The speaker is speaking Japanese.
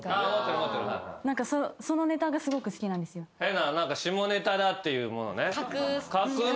変な下ネタだっていうものね。